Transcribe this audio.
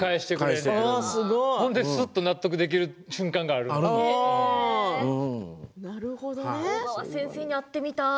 するとすっと納得できる瞬間が小川先生に会ってみたい。